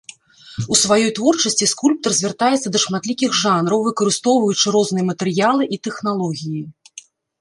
У сваёй творчасці скульптар звяртаецца да шматлікіх жанраў, выкарыстоўваючы розныя матэрыялы і тэхналогіі.